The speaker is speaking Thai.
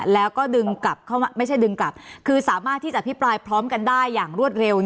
แล้วก็ดึงกลับคือสามารถที่จะพิพลายพร้อมกันได้อย่างรวดเร็ว